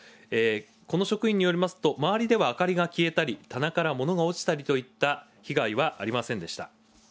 この職員によりますと、周りでは明かりが消えたり、棚から物が落ちたりといった被害はありませんでした。